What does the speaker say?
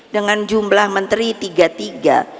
dengan jumlah menteri tiga tiga